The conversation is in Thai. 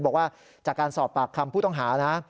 บอกว่าจากการสอบปากคำผู้ต้องหานะ